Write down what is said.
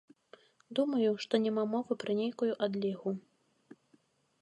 Думаю, што няма мовы пра нейкую адлігу.